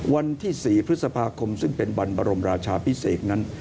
วันที่๔พฤษภาคมซึ่งเป็นวันบรมราชาพิเศษนั้น